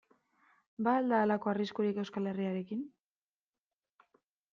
Ba al da halako arriskurik Euskal Herriarekin?